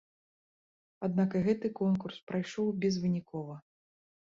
Аднак і гэты конкурс прайшоў безвынікова.